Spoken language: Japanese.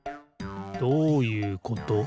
どういうこと？